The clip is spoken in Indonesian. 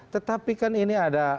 tetapi kan ini ada